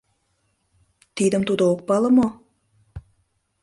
Тидым тудо ок пале мо?